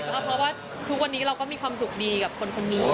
เพราะว่าทุกวันนี้เราก็มีความสุขดีกับคนนี้